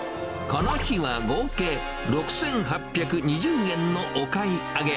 この日は合計６８２０円のお買い上げ。